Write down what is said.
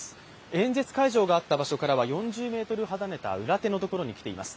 演説会場があった場所からは４０ｍほど離れた裏手のところに来ています。